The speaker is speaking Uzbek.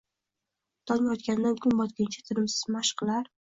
tong otgandan kun botguncha tinimsiz mashq qilar